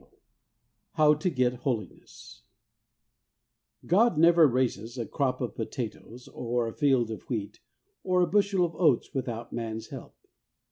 Ill HOW TO GET HOLINESS God never raises a crop of potatoes or a field of wheat or a bushel of oats without man's help.